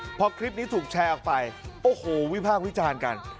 อยู่วัดไหนนะพอคลิปนี้ถูกแชร์ออกไปโอ้โหวิภาควิจารณ์กัน